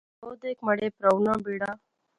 او دیکھ مہاڑے پرھو نا بیڑا